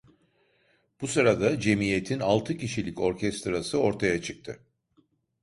Bu sırada cemiyetin altı kişilik orkestrası ortaya çıktı.